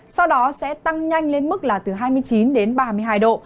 sau đó sẽ tăng nhanh lên mức là từ hai mươi chín đến ba mươi hai độ